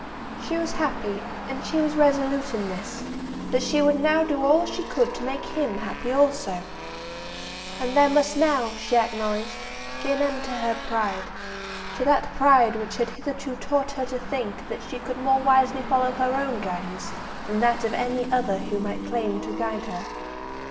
She was happy, and she was resolute in this, that she would now do all she could to make him happy also. And there must now, she acknowledged, be an end to her pride, to that pride which had hitherto taught her to think that she could more wisely follow her own guidance than that of any other who might claim to guide her.